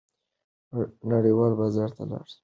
نړیوال بازار ته لار پیدا کړئ.